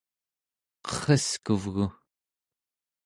qerreskuvgu